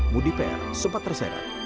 mudi per sempat terseret